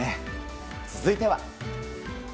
続いては。